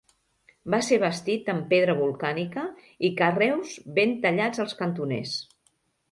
Va ser bastit amb pedra volcànica i carreus ben tallats als cantoners.